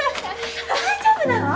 大丈夫なの？